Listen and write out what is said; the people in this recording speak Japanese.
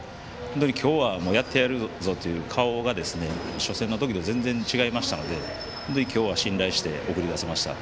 今日はやってやるぞという顔が初戦の時と全然違いましたので今日は信頼して送り出せました。